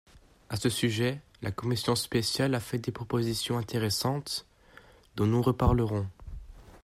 À ce sujet, la commission spéciale a fait des propositions intéressantes, dont nous reparlerons.